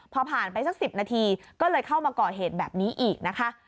พอผ่านไปสัก๑๐นาทีก็เลยเข้ามาก่อเหตุแบบนี้อีกนะคะ